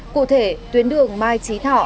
cụ thể tuyến đường mai trí thọ